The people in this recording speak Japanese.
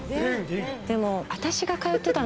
でも。